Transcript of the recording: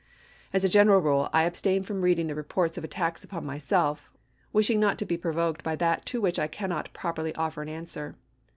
As a general rule, I abstain from reading the reports of attacks upon myself, wishing not to be provoked by that to which I cannot properly offer an answer.